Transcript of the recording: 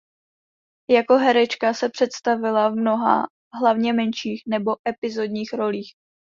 Jako herečka se představila v mnoha hlavně menších nebo epizodních rolích.